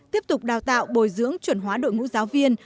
tiếp tục đào tạo bồi dưỡng chuẩn hóa đội ngũ giáo viên